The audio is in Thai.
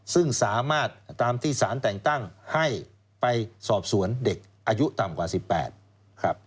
ซึ่งสามารถตามที่สารแต่งตั้งให้ไปสอบสวนเด็กอายุต่ำกว่า๑๘ครับ